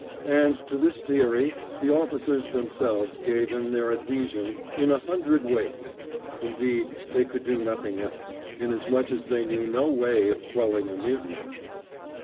And to this theory the officers themselves gave in their adhesion in a hundred ways. Indeed, they could do nothing else, inasmuch as they knew no way of quelling a mutiny.